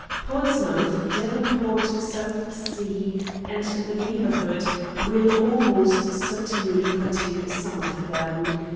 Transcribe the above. Portsmouth, Devonport, Southsea, and the neighbourhood will almost certainly contain some of them.